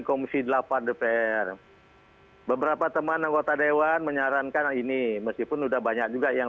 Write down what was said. komisi delapan dpr beberapa teman anggota dewan menyarankan ini meskipun udah banyak juga yang